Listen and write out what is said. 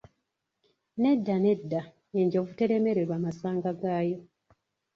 Nedda, nedda, enjovu teremererwa masanga gaayo.